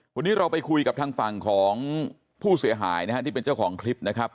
วันนี้เราไปคุยกับทางฝั่งของผู้เสียหายนะฮะที่เป็นเจ้าของคลิปนะครับ